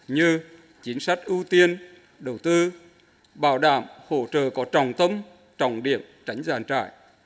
như chính sách ưu tiên đầu tư bảo đảm hỗ trợ có trọng tâm trọng điểm tránh giàn trải